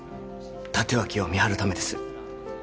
立脇を見張るためです